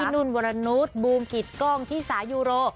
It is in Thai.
พี่นุนวรนุษย์บูมกิตกองธิสายูโร